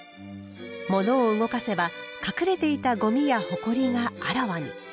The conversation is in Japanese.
物を動かせば隠れていたゴミやほこりがあらわに。